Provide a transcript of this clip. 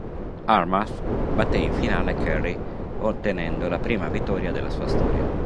Armagh batté in finale Kerry ottenendo la prima vittoria della sua storia.